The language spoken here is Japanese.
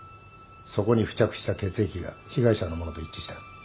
そこに付着した血液が被害者のものと一致した。